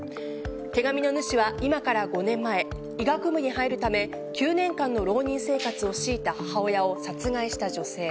手紙の主は今から５年前医学部に入るため９年間の浪人生活を強いた母親を殺害した女性。